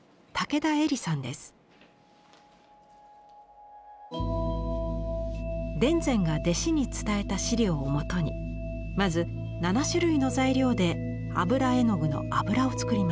田善が弟子に伝えた資料をもとにまず７種類の材料で油絵の具の油を作ります。